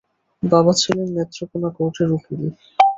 বাবা ছিলেন নেত্রকোণা কোটের উকিল।